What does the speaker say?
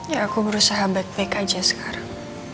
ya aku berusaha kembali balik aja sekarang